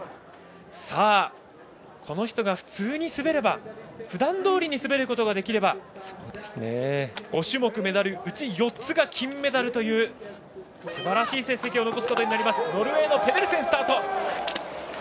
さあ、この人が普通に滑れば普段どおり滑ることができれば５種目メダルうち４つが金メダルというすばらしい成績を残すことになるノルウェーのペデルセンがスタート。